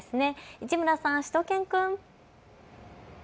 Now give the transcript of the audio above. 市村さん、しゅと犬くん。